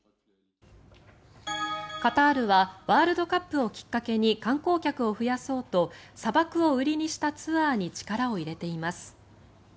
カタールはワールドカップをきっかけに観光客を増やそうと砂漠を売りにしたツアーに力を入れています。